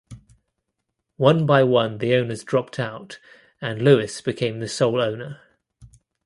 One by one the owners dropped out and Louis became the sole owner.